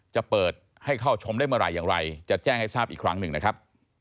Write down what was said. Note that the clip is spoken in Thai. จะเปิดให้เข้าชมได้เมื่อไหร่อย่างไรจะแจ้งให้ทราบอีกครั้งหนึ่งนะครับ